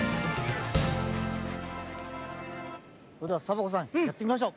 それではサボ子さんやってみましょう！